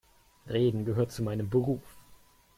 Reden gehört zu meinem Beruf.